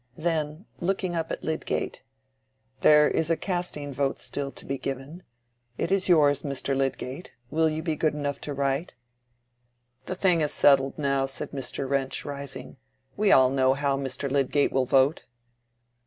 Then, looking up at Lydgate— "There is a casting vote still to be given. It is yours, Mr. Lydgate: will you be good enough to write?" "The thing is settled now," said Mr. Wrench, rising. "We all know how Mr. Lydgate will vote."